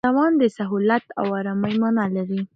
سوان د سهولت او آرامۍ مانا لري.